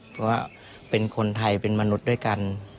เพราะว่าเป็นคนไทยเป็นมนุษย์ด้วยกัน